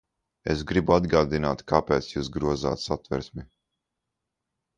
Es gribu atgādināt, kāpēc jūs grozāt Satversmi.